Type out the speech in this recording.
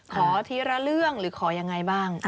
ขอทีละเรื่องหรือขอยังไงบ้าง